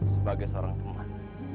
sebagai seorang pemanah